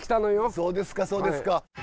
そうですかそうですか。